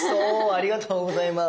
ありがとうございます。